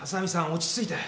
落ち着いて。